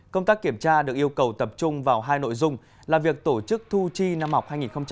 công tác kiểm tra được yêu cầu tập trung vào hai nội dung là việc tổ chức thu chi năm học hai nghìn hai mươi hai nghìn hai mươi